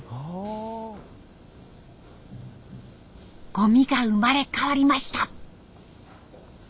ゴミが生まれ変わりました。